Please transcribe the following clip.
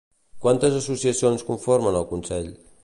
Quantes associacions conformen el consell?